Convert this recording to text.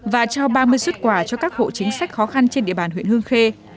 và trao ba mươi xuất quà cho các hộ chính sách khó khăn trên địa bàn huyện hương khê